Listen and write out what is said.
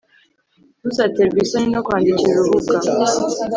ntuzaterwe isoni no kwandira urubuga